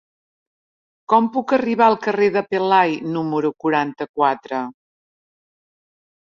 Com puc arribar al carrer de Pelai número noranta-quatre?